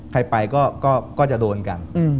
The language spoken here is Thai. ใครไปก็จะโดนกัน